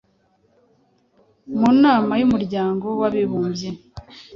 Mu nama y’Umuryango w’Abibumbye,